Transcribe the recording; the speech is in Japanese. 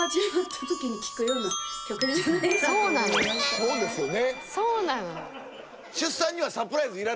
そうですよね。